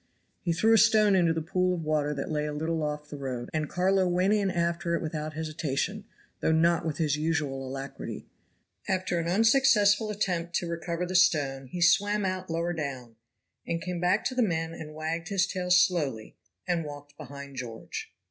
He threw a stone into the pool of water that lay a little off the road, and Carlo went in after it without hesitation, though not with his usual alacrity. After an unsuccessful attempt to recover the stone he swam out lower down, and came back to the men and wagged his tail slowly, and walked behind George.